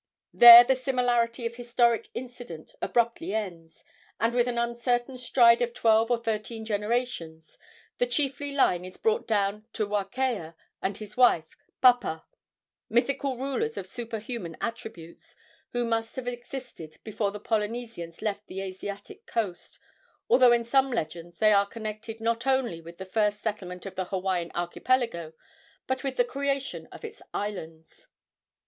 There the similarity of historic incident abruptly ends, and, with an uncertain stride of twelve or thirteen generations, the chiefly line is brought down to Wakea and his wife Papa, mythical rulers of superhuman attributes, who must have existed before the Polynesians left the Asiatic coast, although in some legends they are connected not only with the first settlement of the Hawaiian archipelago, but with the creation of its islands.